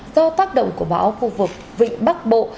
do tác động của bão khu vực vịnh bắc bộ